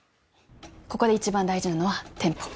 ここで一番大事なのはテンポ